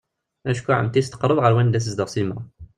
Acku Ɛemti-s teqreb ɣer wanda i tezdeɣ Sima.